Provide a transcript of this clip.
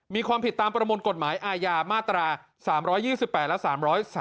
มีความผิดตามประมวลกฎหมายอาญามาตรา๓๒๘และ๓๓